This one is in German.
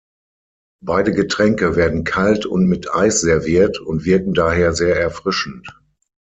Beide Getränke werden kalt und mit Eis serviert und wirken daher sehr erfrischend.